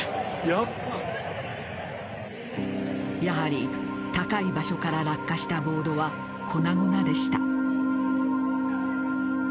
やはり、高い場所から落下したボードは粉々でした。